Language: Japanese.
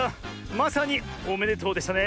まさにおめでとうでしたね。